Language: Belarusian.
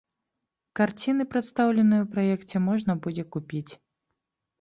Карціны, прадстаўленыя ў праекце можна будзе купіць.